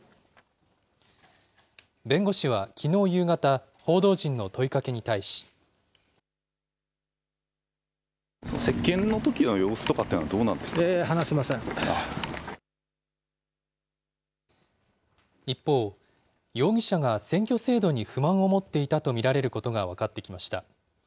弁護士はきのう夕方、報道陣の問いかけに対し。一方、容疑者が選挙制度に不満を持っていたと見られることが分かってきました。